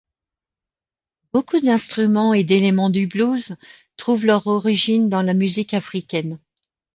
Beaucoup d'instruments et d'éléments du blues trouvent leur origine dans la musique africaine.